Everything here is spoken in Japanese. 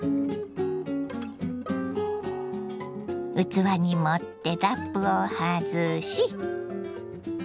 器に盛ってラップを外し。